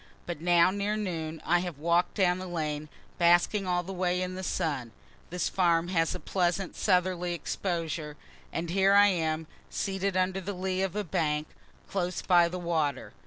But now, near noon, I have walk'd down the lane, basking all the way in the sun (this farm has a pleasant southerly exposure,) and here I am, seated under the lee of a bank, close by the water.